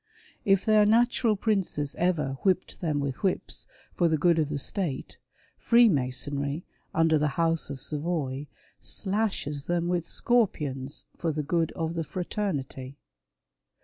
If their natural princes ever •' whipped them with whips/' for the good of the state, Freemasonry, under the House of Savoy, slashes them with scorpions, for the good of the fraternity.